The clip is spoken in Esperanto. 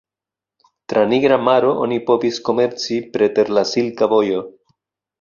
Tra Nigra Maro, oni povis komerci preter la Silka Vojo.